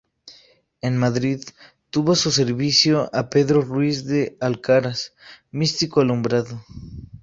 En Madrid, tuvo a su servicio a Pedro Ruiz de Alcaraz, místico alumbrado.